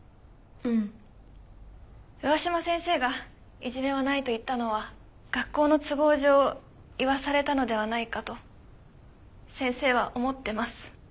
上嶋先生がいじめはないと言ったのは学校の都合上言わされたのではないかと先生は思ってます。